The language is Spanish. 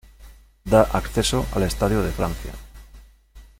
Da acceso al Estadio de Francia.